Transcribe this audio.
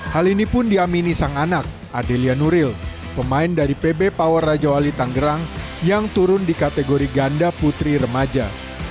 hal ini pun diamini sang anak adelia nuril pemain dari pb power raja wali tanggerang yang turun di kategori ganda putri remaja